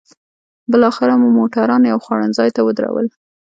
بالاخره مو موټران یو خوړنځای ته ودرول.